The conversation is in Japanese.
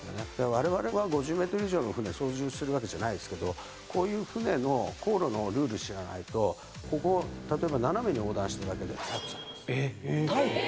我々は５０ｍ以上の船操縦するわけじゃないですけどこういう船の航路のルール知らないとここ例えば斜めに横断しただけで逮捕されます。